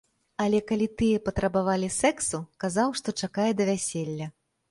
Але калі тыя патрабавалі сексу, казаў, што чакае да вяселля.